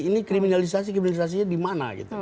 ini kriminalisasi kriminalisasi di mana